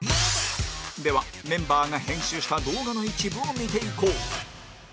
ではメンバーが編集した動画の一部を見ていこう